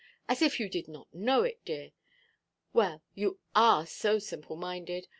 As if you did not know it, dear! Well, you are so simple–minded.